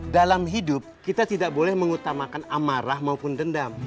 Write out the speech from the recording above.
dalam hidup kita tidak boleh mengutamakan amarah maupun dendam